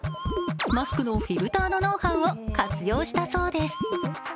マスクのフィルターのノウハウを活用したそうです。